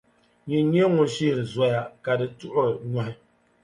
Nyini n-nyɛ ŋun shihi zoya, ka di tuɣiri nyɔhi.